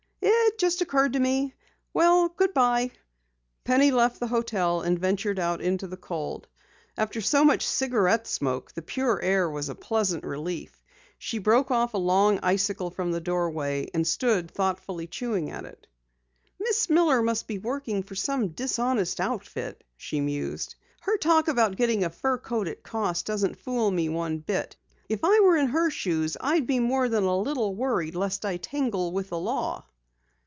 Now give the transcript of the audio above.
"It just occurred to me. Well, good bye." Penny left the hotel and ventured out into the cold. After so much cigarette smoke, the pure air was a pleasant relief. She broke off a long icicle from the doorway, and stood thoughtfully chewing at it. "Miss Miller must be working for some dishonest outfit," she mused. "Her talk about getting a fur coat at cost doesn't fool me one bit. If I were in her shoes I'd be more than a little worried lest I tangled with the law."